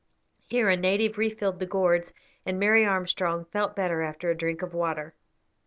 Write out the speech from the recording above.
Here a native refilled the gourds, and Mary Armstrong felt better after a drink of water.